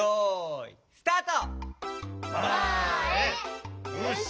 よしよいスタート！